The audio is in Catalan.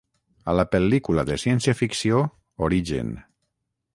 A la pel·lícula de ciència-ficció Origen